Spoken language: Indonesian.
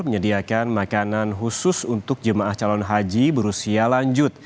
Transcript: menyediakan makanan khusus untuk jemaah calon haji berusia lanjut